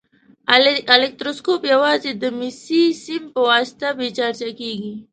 الکتروسکوپ یوازې د مسي سیم په واسطه بې چارجه کیږي.